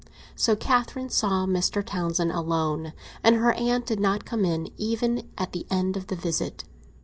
So Catherine saw Mr. Townsend alone, and her aunt did not come in even at the end of the visit.